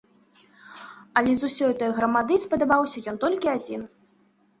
Але з усёй той грамады спадабаўся ёй толькі адзін.